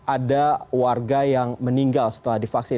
ada warga yang meninggal setelah divaksin